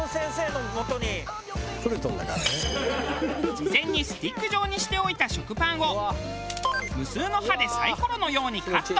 事前にスティック状にしておいた食パンを無数の刃でサイコロのようにカット。